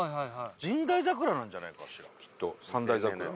神代桜なんじゃないかしらきっと三大桜。